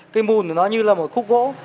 cái mùn của nó như là một khúc gỗ